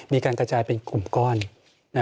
มีการกระจายเป็นกลุ่มก้อน